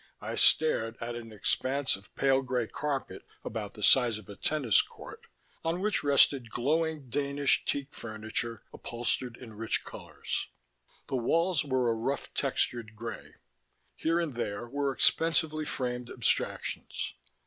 I stared at an expanse of pale grey carpet about the size of a tennis court, on which rested glowing Danish teak furniture upholstered in rich colors. The walls were a rough textured grey; here and there were expensively framed abstractions.